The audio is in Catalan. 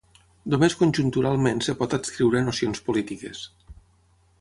només conjunturalment es pot adscriure a nocions polítiques